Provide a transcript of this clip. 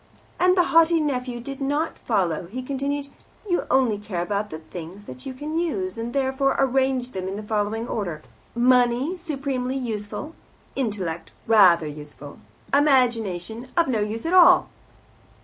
As the haughty nephew did not follow, he continued, "You only care about the' things that you can use, and therefore arrange them in the following order: Money, supremely useful; intellect, rather useful; imagination, of no use at all.